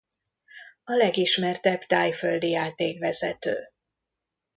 A legismertebb thaiföldi játékvezető.